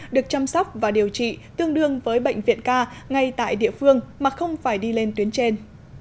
được chăm sóc và điều trị tương đương với bệnh viện ca ngay tại địa phương mà không phải đi lên tuyến trên